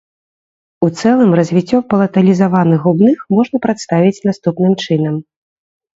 У цэлым развіццё палаталізаваных губных можна прадставіць наступным чынам.